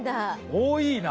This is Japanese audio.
多いな。